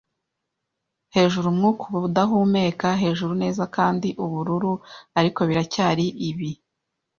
hejuru, umwuka uba udahumeka, hejuru neza kandi ubururu, ariko biracyari ibi